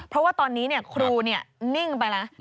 เพราะว่าตอนนี้ครูนิ่งไปแล้ว